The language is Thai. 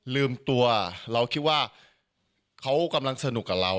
ลืมตัวเราคิดว่าเขากำลังสนุกกับเรา